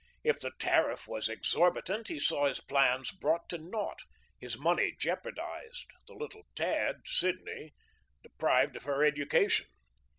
If the tariff was exorbitant, he saw his plans brought to naught, his money jeopardised, the little tad, Sidney, deprived of her education.